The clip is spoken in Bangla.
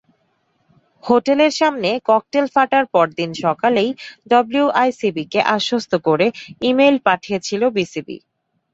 হোটেলের সামনে ককটেল ফাটার পরদিন সকালেই ডব্লুআইসিবিকে আশ্বস্ত করে ই-মেইল পাঠিয়েছিল বিসিবি।